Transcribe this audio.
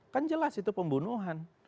kan jelas itu pembunuhan